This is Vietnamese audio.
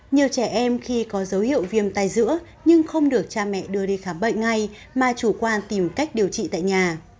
nhiều trẻ em khi có dấu hiệu viêm tay giữa nhưng không được cha mẹ đưa đi khám bệnh ngay mà chủ quan tìm cách điều trị tại nhà